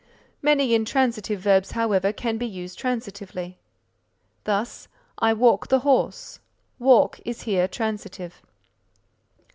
"_ Many intransitive verbs, however, can be used transitively; thus, "I walk the horse;" walk is here transitive.